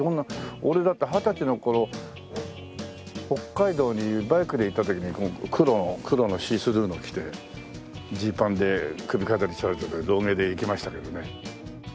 俺だって二十歳の頃北海道にバイクで行った時に黒のシースルーの着てジーパンで首飾り下げてロン毛で行きましたけどね。